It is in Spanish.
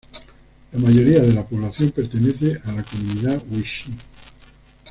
La mayoría de la población pertenece a la comunidad wichí.